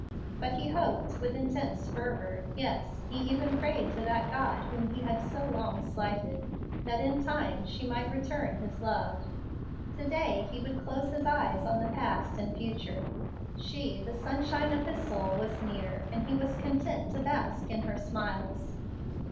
But he hoped with intense fervor yes, he even prayed to that God whom he had so long slighted that in time she might return his love. To day he would close his eyes on the past and future. She, the sunshine of his soul, was near, and he was content to bask in her smiles.